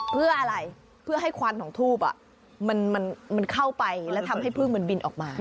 เพื่ออะไรเพื่อให้ควันของทูบมันเข้าไปแล้วทำให้พึ่งมันบินออกมา